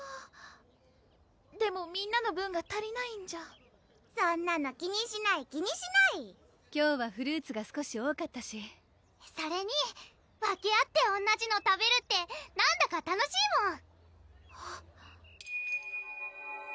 でもみんなの分が足りないんじゃそんなの気にしない気にしない今日はフルーツが少し多かったしそれに分け合って同じの食べるってなんだか楽しいもん！